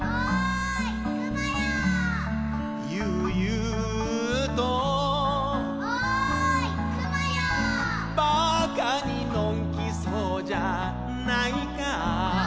「ゆうゆうと」「馬鹿にのんきそうじゃないか」